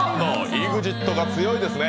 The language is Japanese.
ＥＸＩＴが強いですね。